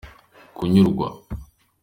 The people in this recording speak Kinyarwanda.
kunyurwa.